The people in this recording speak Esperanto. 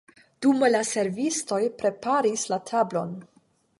Dume la servistoj preparis la tablon.